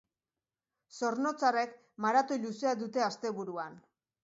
Zornotzarrek maratoi luzea dute asteburuan.